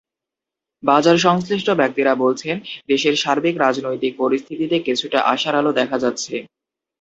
বাজারসংশ্লিষ্ট ব্যক্তিরা বলছেন, দেশের সার্বিক রাজনৈতিক পরিস্থিতিতে কিছুটা আশার আলো দেখা যাচ্ছে।